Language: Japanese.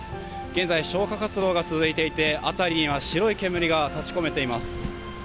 現在、消火活動が続いていて、辺りには白い煙が立ちこめています。